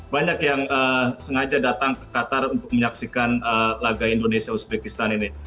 banyak yang sengaja datang ke qatar untuk menyaksikan laga indonesia uzbekistan ini